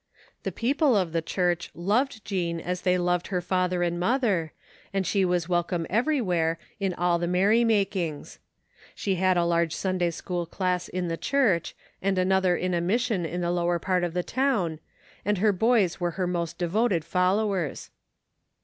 The people of the church loved Jean as they loved her father and mother, and she was welcome everywhere in all the merrymakings. She had a large Sunday School class in the church and another in a mission in the lower part of the town, and her boys were her most devoted followers.